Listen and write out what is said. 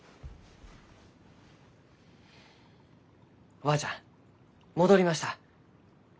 おばあちゃん戻りました。